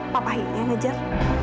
papa ini yang mengejar